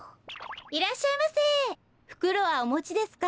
いらっしゃいませふくろはおもちですか？